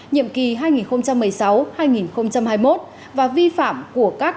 nhiệm kỳ hai nghìn một mươi sáu hai nghìn hai mươi một và vi phạm của các